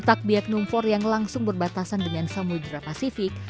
letak biak numfor yang langsung berbatasan dengan samudera pasifik